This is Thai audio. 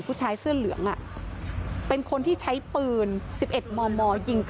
ผู้ชายที่ใส่เสื้อสีเหลือง